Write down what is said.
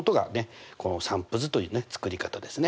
この散布図という作り方ですね。